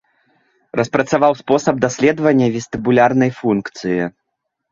Распрацаваў спосаб даследавання вестыбулярнай функцыі.